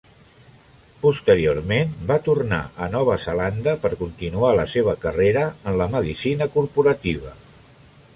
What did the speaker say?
Posteriorment, va tornar a Nova Zelanda per continuar la seva carrera en la medicina corporativa.